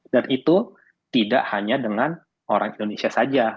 dan itu tidak hanya dengan orang indonesia saja